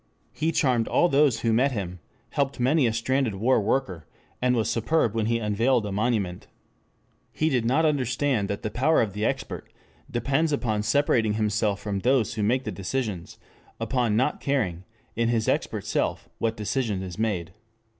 He charmed all those who met him, helped many a stranded war worker, and was superb when he unveiled a monument. He did not understand that the power of the expert depends upon separating himself from those who make the decisions, upon not caring, in his expert self, what decision is made.